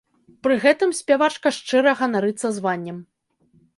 Пры гэтым спявачка шчыра ганарыцца званнем.